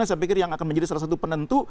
saya pikir yang akan menjadi salah satu penentu